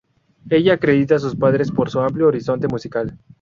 Ella acredita a sus padres por su amplio horizonte musical.